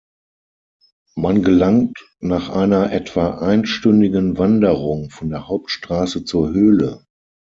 Man gelangt nach einer etwa einstündigen Wanderung von der Hauptstraße zur Höhle.